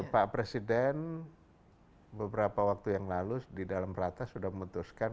pak presiden beberapa waktu yang lalu di dalam ratas sudah memutuskan